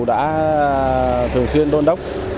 đã thường xuyên đôn đốc